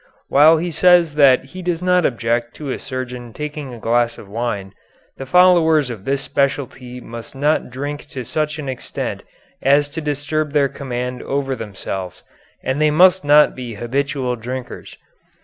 While he says that he does not object to a surgeon taking a glass of wine, the followers of this specialty must not drink to such an extent as to disturb their command over themselves, and they must not be habitual drinkers.